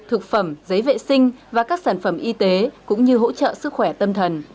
thực phẩm giấy vệ sinh và các sản phẩm y tế cũng như hỗ trợ sức khỏe tâm thần